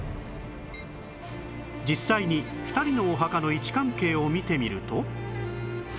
実際に２人のお墓の位置関係を見てみると